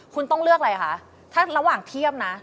คุณต้องเลือกอะไรคะถ้าระหว่างเทียบนะ